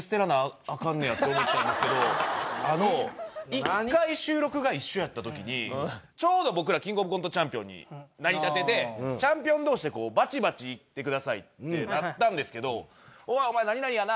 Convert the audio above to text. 一回収録が一緒やった時にちょうど僕ら。になりたてでチャンピオン同士でバチバチ行ってくださいってなったんですけど「おいお前何々やな！」